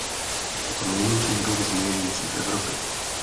Je to nejmenší druh zmije žijící v Evropě.